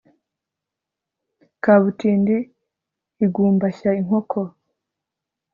kabutindi igumbashya inkoko